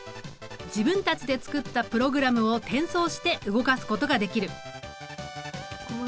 自分たちで作ったプログラムを転送して動かすことができる。